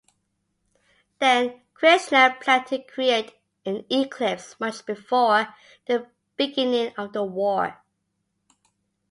Then, Krishna planned to create an eclipse much before the beginning of the war.